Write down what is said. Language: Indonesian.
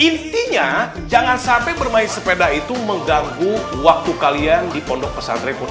intinya jangan sampai bermain sepeda itu mengganggu waktu kalian di pondok pesantren